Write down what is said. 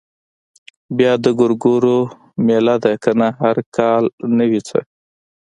بيا د ګورګورو مېله ده کنه هر کال نه وي څه.